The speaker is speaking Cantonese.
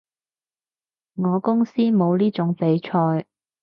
我公司冇呢種比賽